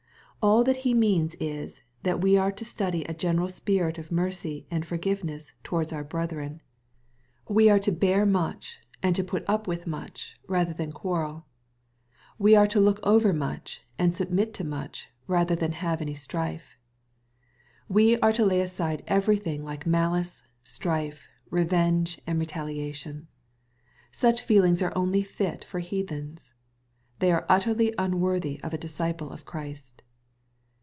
All that He means js, that we are to study a general spirit of mercy and ^rgivingness towards our brethren. We are to bear 280 EXPOSITOBY THOUGHTS. much, and to put up with much, rather than quarrel* We are to look over much, and submit to much, rathei than have any strife. We are to lay aside everything like malice, strife, revenge, and retaliation. Such feel ings are only fit for heathens. They are utterly un worthy of a disciple of Christ.